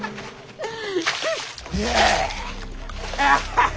ハハハハ。